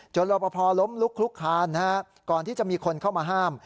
รอปภล้มลุกลุกคานก่อนที่จะมีคนเข้ามาห้าม